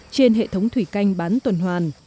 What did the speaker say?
trên hệ thống thủy canh bán tuần hoàn